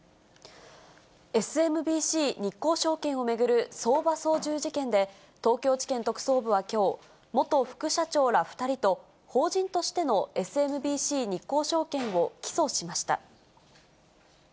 ＳＭＢＣ日興証券を巡る相場操縦事件で東京地検特捜部はきょう、元副社長ら２人と、法人としてのＳＭＢＣ日興証券を起訴しました。